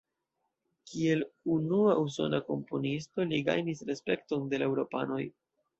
Kiel unua usona komponisto li gajnis respekton de la eŭropanoj.